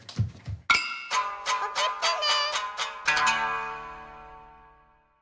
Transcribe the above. おくってね。